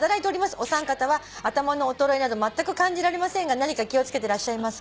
「お三方は頭の衰えなどまったく感じられませんが何か気を付けてらっしゃいますか？」